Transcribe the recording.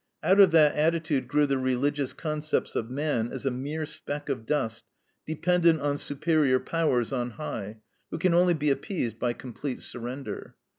Out of that attitude grew the religious concepts of man as a mere speck of dust dependent on superior powers on high, who can only be appeased by complete surrender.